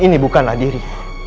ini bukanlah diri